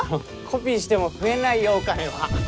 コピーしても増えないよお金は。